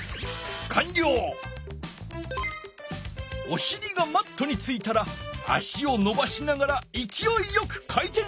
おしりがマットについたら足をのばしながらいきおいよく回転する。